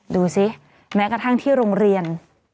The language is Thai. ดูสิแม้กระทั่งที่โรงเรียน